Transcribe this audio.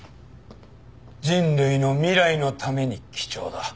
人類の未来のために貴重だ。